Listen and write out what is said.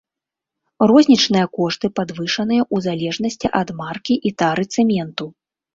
Рознічныя кошты падвышаныя ў залежнасці ад маркі і тары цэменту.